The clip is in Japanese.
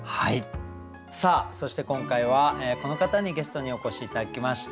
さあそして今回はこの方にゲストにお越し頂きました。